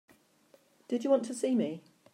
Did you want to see me?